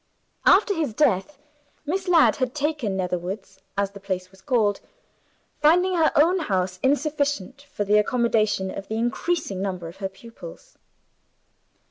After his death, Miss Ladd had taken Netherwoods (as the place was called), finding her own house insufficient for the accommodation of the increasing number of her pupils.